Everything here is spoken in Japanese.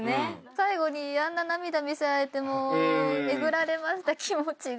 最後にあんな涙見せられてもうえぐられました気持ちが。